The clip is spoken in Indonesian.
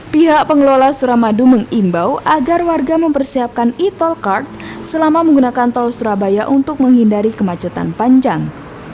pihak pengelola suramadu mengimbau agar warga mempersiapkan e tol card selama menggunakan tol surabaya untuk menghindari kemacetan panjang